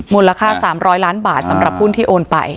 มูลค่า๓๐๐ล้านบาทสำหรับหุ้นที่โอนไป